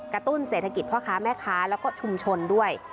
ตุ้นเศรษฐกิจพ่อค้าแม่ค้าแล้วก็ชุมชนด้วย